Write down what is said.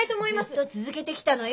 ずっと続けてきたのよ